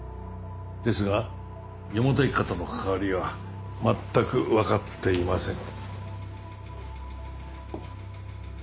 ですが四方田一家との関わりは全く分かっていません。